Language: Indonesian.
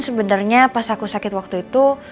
sebenarnya pas aku sakit waktu itu